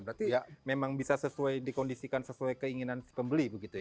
berarti ya memang bisa sesuai dikondisikan sesuai keinginan si pembeli begitu ya